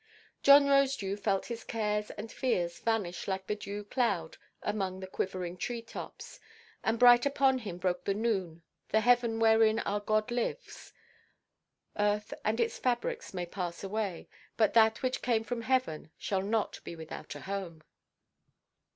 John Rosedew felt his cares and fears vanish like the dew–cloud among the quivering tree–tops; and bright upon him broke the noon, the heaven wherein our God lives. Earth and its fabrics may pass away; but that which came from heaven shall not be without a home.